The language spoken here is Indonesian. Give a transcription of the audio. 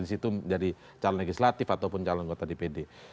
di situ jadi calon legislatif ataupun calon anggota dpd